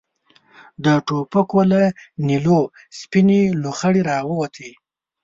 د ټوپکو له نليو سپينې لوخړې را ووتې.